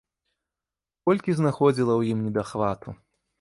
Колькі знаходзіла ў ім недахвату!